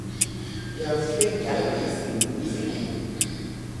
There are three galleries in the Museum.